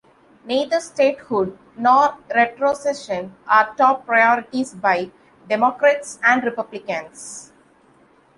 Neither statehood nor retrocession are top priorities by Democrats and Republicans.